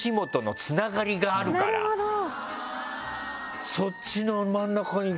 なるほど！